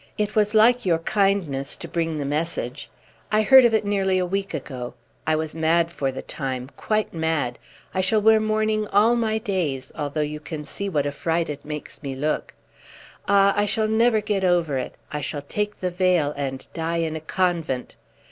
"It was like your kindness to bring the message. I heard of it nearly a week ago. I was mad for the time quite mad. I shall wear mourning all my days, although you can see what a fright it makes me look. Ah! I shall never get over it. I shall take the veil and die in a convent."